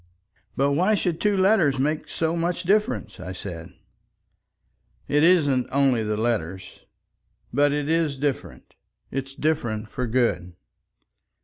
"But why should two letters make so much difference?" I said. "It isn't only the letters. But it is different. It's different for good."